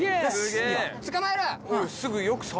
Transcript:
捕まえる。